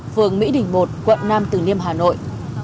phường mỹ đình một quận năm từ niêm hà nội